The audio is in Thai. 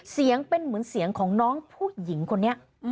เสียงเป็นเหมือนเสียงของน้องผู้หญิงคนนี้